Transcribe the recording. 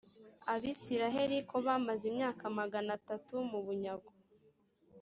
abisirayeli ko bamaze imyaka magana atatu mubunyago.